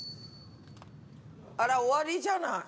あら終わりじゃない。